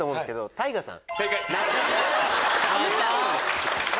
ＴＡＩＧＡさん！